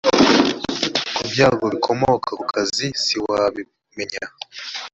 ku byago bikomoka ku kazi siwabimenya